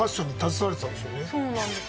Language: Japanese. そうなんですよね。